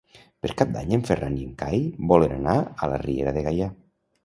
Per Cap d'Any en Ferran i en Cai volen anar a la Riera de Gaià.